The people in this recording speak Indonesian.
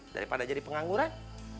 daripada jadi pengangguran